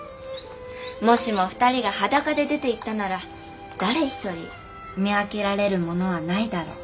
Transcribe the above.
もしも２人が裸で出ていったなら誰ひとり見分けられる者はないだろう』」。